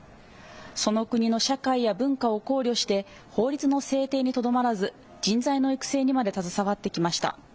その国の社会や文化を考慮して法律の制定にとどまらず人材の育成にまで携わってきました。